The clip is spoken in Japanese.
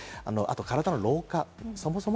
あとは体の老化。